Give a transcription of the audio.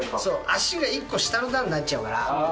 足が一個下の段になっちゃうから。